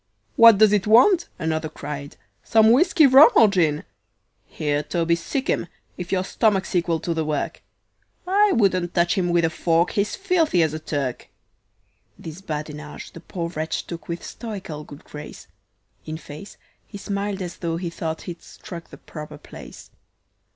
"What does it want?" another cried. "Some whiskey, rum or gin?" "Here, Toby, sic 'em, if your stomach's equal to the work I wouldn't touch him with a fork, he's filthy as a Turk." This badinage the poor wretch took with stoical good grace; In face, he smiled as tho' he thought he'd struck the proper place.